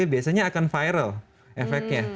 satu dua tiga biasanya akan viral efeknya